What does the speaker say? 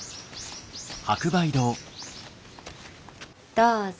どうぞ。